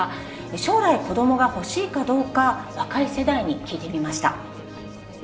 将来、子どもが欲しいかどうか、若い世代に聞いてみました。